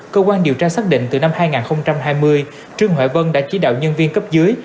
cơ quan điều tra xác định từ năm hai nghìn hai mươi trương huệ vân đã chỉ đạo nhân viên cấp dưới